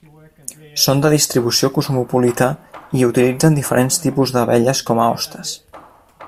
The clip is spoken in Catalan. Són de distribució cosmopolita i utilitzen diferents tipus d'abelles com a hostes.